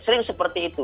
sering seperti itu